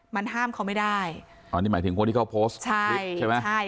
มันห้ามเขาไม่ได้อ๋อนี่หมายถึงคนที่เขาโพสต์คลิปใช่ไหมใช่